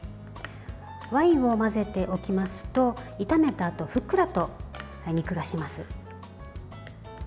ワインを混ぜておきますと炒めたあとふっくらと肉がします。